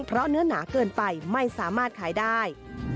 เพราะเนื้อหนาเกินไปไม่สามารถขายได้